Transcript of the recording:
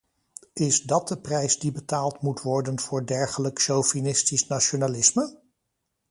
Is dat de prijs die betaald moet worden voor dergelijk chauvinistisch nationalisme?